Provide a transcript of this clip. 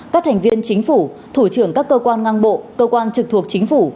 các thành viên chính phủ thủ trưởng các cơ quan ngang bộ cơ quan trực thuộc chính phủ